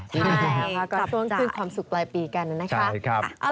ก็ชวนคืนความสุขปลายปีกันนะนะคะ